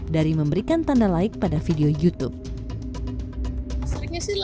dari memberikan tanda like pada video youtube